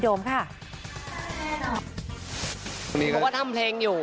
โดมเนี้ยบอกเลยว่าโอ้โห